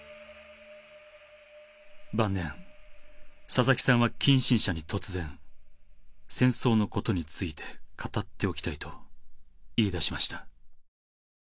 晩年佐々木さんは近親者に突然戦争の事について語っておきたいと言い出しました。